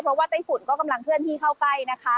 เพราะว่าไต้ฝุ่นก็กำลังเคลื่อนที่เข้าใกล้นะคะ